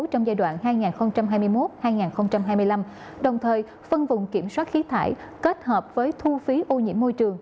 trong giai đoạn hai nghìn hai mươi một hai nghìn hai mươi năm đồng thời phân vùng kiểm soát khí thải kết hợp với thu phí ô nhiễm môi trường